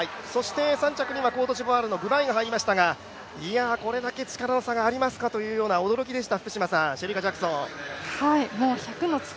３着にはコートジボワールのグバイが入りましたがいや、これだけ力の差がありますかという、驚きでした。